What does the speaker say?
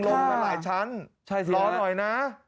ลงมาหลายชั้นรอหน่อยนะ